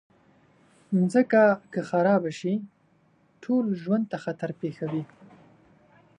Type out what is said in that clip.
مځکه که خراب شي، ټول ژوند ته خطر پېښوي.